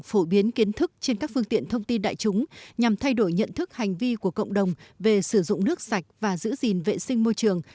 phổ biến kiến thức trên các phương tiện thông tin đại chúng nhằm thay đổi nhận thức hành vi của cộng đồng về sử dụng nước sạch và giữ gìn vệ sinh môi trường